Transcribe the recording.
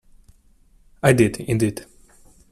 I did, indeed.